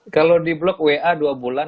kalau di blok wa dua bulan